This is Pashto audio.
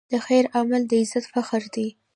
د خیر عمل د عزت فخر دی.